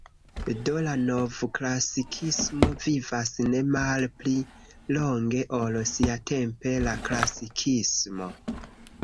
Do, la novklasikismo vivas ne malpli longe ol siatempe la klasikismo.